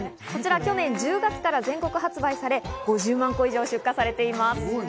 こちら、去年１０月から全国発売され、５０万個以上出荷されています。